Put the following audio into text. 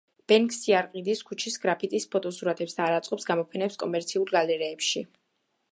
ბენქსი არ ყიდის ქუჩის გრაფიტის ფოტოსურათებს და არ აწყობს გამოფენებს კომერციულ გალერეებში.